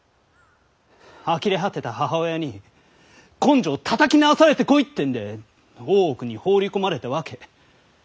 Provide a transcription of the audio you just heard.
あきれ果てた母親に「根性たたき直されてこい」ってんで大奥に放り込まれたわけ。